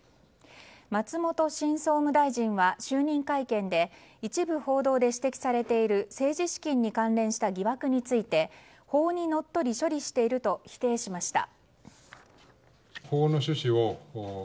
松本新総務大臣は就任会見で一部報道で指摘されている政治資金に関連した疑惑に関して法にのっとり処理していると否定しました。